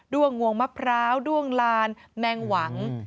้วงงวงมะพร้าวด้วงลานแมงหวัง